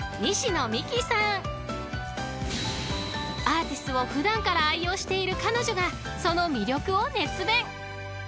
［アーティスを普段から愛用している彼女がその魅力を熱弁］